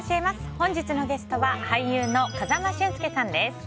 本日のゲストは俳優の風間俊介さんです。